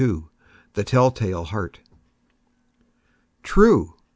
_ THE TELL TALE HEART. True!